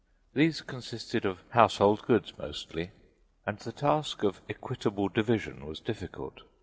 These consisted of household goods mostly, and the task of equitable division was difficult.